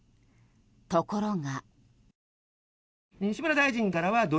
ところが。